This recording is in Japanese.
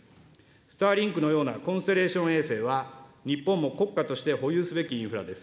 スターリンクのようなコンステレーション衛星は日本も国家として保有すべきインフラです。